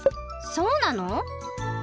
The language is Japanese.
そうなの？